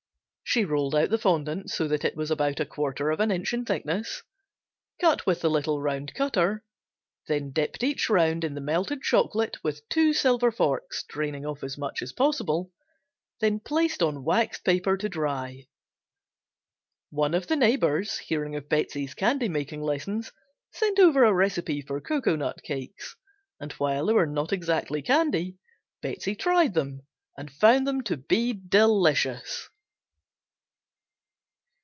She rolled out the fondant so that it was about a quarter of an inch in thickness, cut with the little round cutter, then dipped each round in the melted chocolate, with two silver forks, drained off as much chocolate as possible, then placed on waxed paper to dry. One of the neighbors, hearing of Betsey's candy making lessons, sent over a recipe for "Cocoanut Cakes," and while they were not exactly candy, Betsey tried them and found them to be delicious.